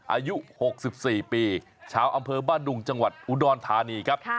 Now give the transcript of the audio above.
อายุ๖๔ปีชาวอำเภอบ้านดุงจังหวัดอุดรธานีครับ